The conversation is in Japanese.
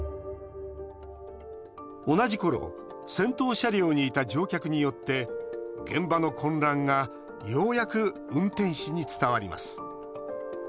同じころ、先頭車両にいた乗客によって、現場の混乱がようやく運転士に伝わります。